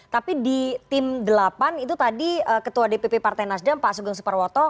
tapi di tim delapan itu tadi ketua dpp partai nasdem pak sugeng suparwoto